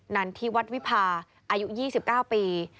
นั้นที่วัดวิพาอายุ๒๙ปี